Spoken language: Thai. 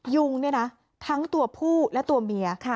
ยุงทั้งตัวผู้และตัวเมีย